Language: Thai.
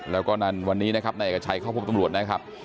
แล้วก็นั่นวันนี้นะครับนายเอกชัยเข้าพบตำรวจนะครับ